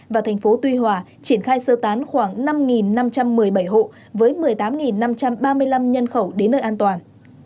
và thành phố tuy hòa triển khai sơ tán khoảng năm năm trăm một mươi bảy hộ với một mươi tám năm trăm ba mươi năm nhân khẩu đến nơi an toàn